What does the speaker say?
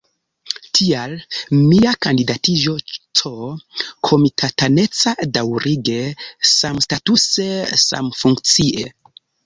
Tial mia kandidatiĝo C-komitataneca, daŭrige, samstatuse, samfunkcie.